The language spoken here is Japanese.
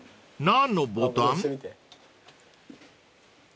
［何のボタン？］